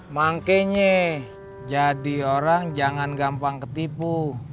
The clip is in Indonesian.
mangkenya jadi orang jangan gampang ketipu